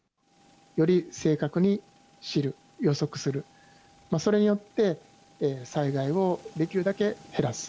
より正確に知る、予測する、それによって、災害をできるだけ減らす。